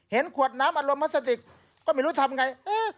เห็นขวดน้ำอัดลมพลัสติกก็ไม่รู้ทำไง